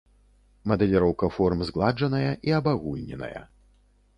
Мадэліроўка форм згладжаная і абагульненая.